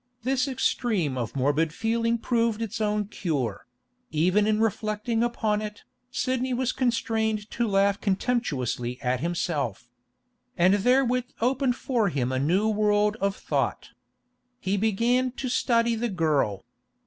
This extreme of morbid feeling proved its own cure; even in reflecting upon it, Sidney was constrained to laugh contemptuously at himself. And therewith opened for him a new world of thought. He began to study the girl.